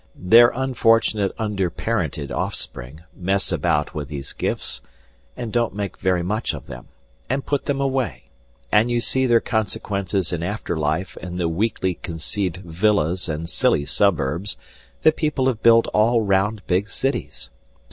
Their unfortunate under parented offspring mess about with these gifts, and don't make very much of them, and put them away; and you see their consequences in after life in the weakly conceived villas and silly suburbs that people have built all round big cities.